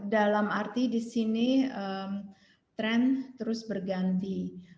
dalam arti di sini tren terus berganti